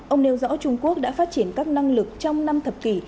ông nêu rõ trung quốc đã phát triển các năng lực trong năm thập kỷ